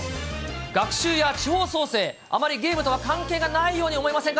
学習や地方創生、あまりゲームとは関係がないように思えませんか？